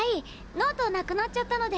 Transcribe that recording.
ノートなくなっちゃったので。